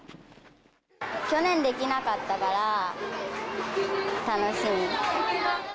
去年できなかったから、楽しみ。